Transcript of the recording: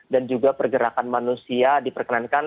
dan juga pergerakan manusia diperkenankan